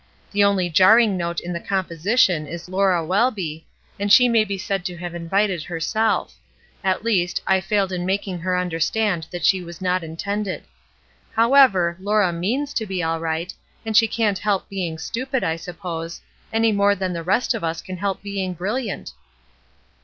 The only jarring note in the composition is Laura Welby, and she may be said to have invited herself ; at least, I failed in making her understand that she was not intended. However, Laura means to be all right, and she can't help being stupid, I suppose, any more than the rest of us can help being brilUant."